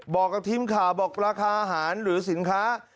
บอกกับทีมข่าวบอกราคาอาหารหรือสินค้า